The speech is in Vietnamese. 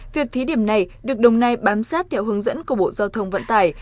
việc thí điểm này được đồng nai bám sát theo hướng dẫn của bộ giao thông vận tải